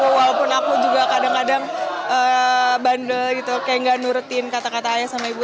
walaupun aku juga kadang kadang bandel gitu kayak nggak nurutin kata kata ayah sama ibu